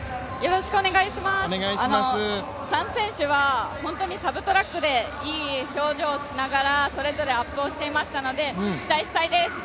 ３選手は、本当にサブトラックでいい表情をしながらそれぞれアップをしていましたので、期待したいです。